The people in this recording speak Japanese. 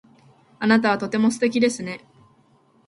あなたはとても素敵ですね。